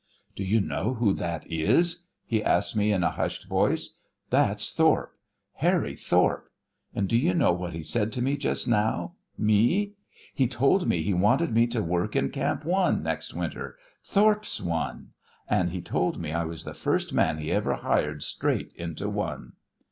"Do you know who that is?" he asked me in a hushed voice. "That's Thorpe, Harry Thorpe. And do you know what he said to me just now, me? He told me he wanted me to work in Camp One next winter, Thorpe's One. And he told me I was the first man he ever hired straight into One."